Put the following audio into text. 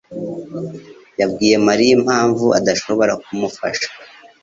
yabwiye Mariya impamvu adashobora kumufasha?